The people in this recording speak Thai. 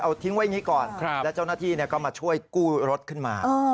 เอาทิ้งไว้อย่างนี้ก่อนแล้วเจ้าหน้าที่ก็มาช่วยกู้รถขึ้นมา